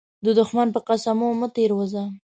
د دښمن په قسمو مه تير وزه.